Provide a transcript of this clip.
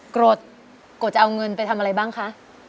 กรดโกรธจะเอาเงินไปทำอะไรบ้างคะ